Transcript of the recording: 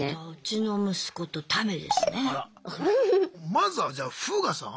まずはじゃあフーガさん。